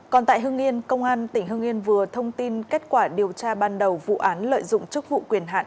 còn tại hưng yên công an tỉnh hưng yên vừa thông tin kết quả điều tra ban đầu vụ án lợi dụng chức vụ quyền hạn